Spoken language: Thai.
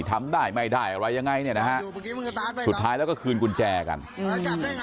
ทำได้ไม่ได้อะไรยังไงเนี่ยนะฮะสุดท้ายแล้วก็คืนกุญแจกันอืม